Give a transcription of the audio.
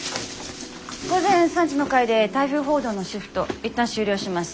午前３時の回で台風報道のシフト一旦終了します。